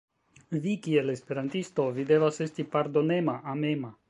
Vi kiel esperantisto, vi devas esti pardonema, amema.